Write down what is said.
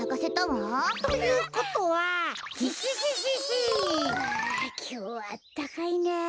わあきょうはあったかいなあ。